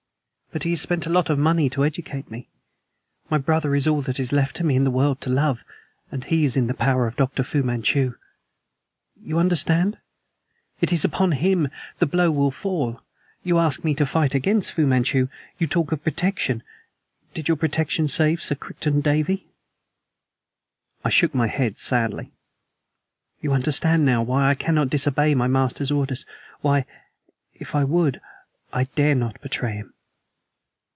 "But he has spent a lot of money to educate me. My brother is all that is left to me in the world to love, and he is in the power of Dr. Fu Manchu. You understand? It is upon him the blow will fall. You ask me to fight against Fu Manchu. You talk of protection. Did your protection save Sir Crichton Davey?" I shook my head sadly. "You understand now why I cannot disobey my master's orders why, if I would, I dare not betray him."